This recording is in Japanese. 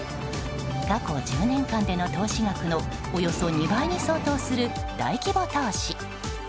過去１０年間での投資額のおよそ２倍に相当する大規模投資。